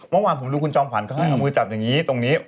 เมื่อวานผมดูคุณจอมขวัญเขาให้เอามือจับอย่างนี้ตรงนี้